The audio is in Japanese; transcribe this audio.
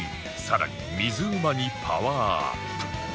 更に水うまにパワーアップ